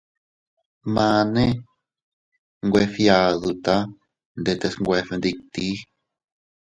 Mane nwe fgiaduta ndetes nwe fgnditi.